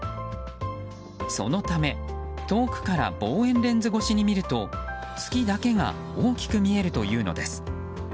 そのため、遠くから望遠レンズ越しに見ると月だけが大きく見えるというのです。